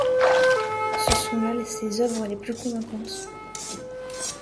Ce sont-là ses œuvres les plus convaincantes.